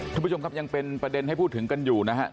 คุณผู้ชมครับยังเป็นประเด็นให้พูดถึงกันอยู่นะครับ